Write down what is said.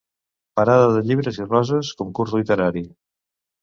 Parada de llibres i roses, concurs literari.